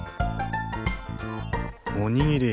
おにぎり！